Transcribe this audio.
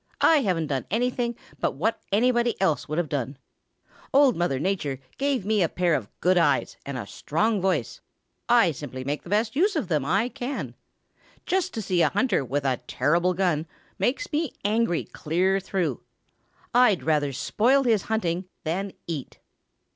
"I haven't done anything but what anybody else would have done. Old Mother Nature gave me a pair of good eyes and a strong voice. I simply make the best use of them I can. Just to see a hunter with a terrible gun makes me angry clear through. I'd rather spoil his hunting than eat."